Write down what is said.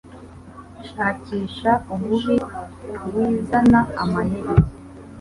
Shakisha ububi wi zana amayeri